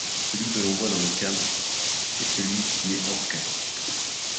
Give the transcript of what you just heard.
Celui que l'on voit dans le cadre et celui qui est hors cadre.